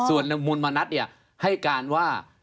มนตร์มานัดเนี่ยให้การว่า